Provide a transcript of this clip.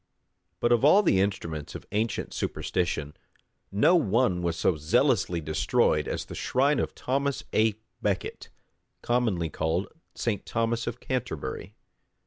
But of all the instruments of ancient superstition, no one was so zealously destroyed as the shrine of Thomas à Becket, commonly called St. Thomas of Canterbury.